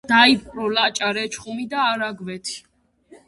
დაიპყრო რაჭა-ლეჩხუმი და არგვეთი.